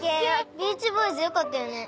『ビーチボーイズ』良かったよね。